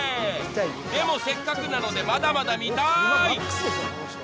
［でもせっかくなのでまだまだ見たい！］